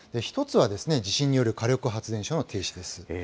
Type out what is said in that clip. １つは地震による火力発電所の停止です。